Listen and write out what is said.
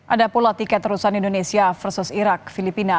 ada pula tiket terusan indonesia versus irak filipina